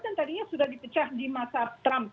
kan tadinya sudah dipecah di masa trump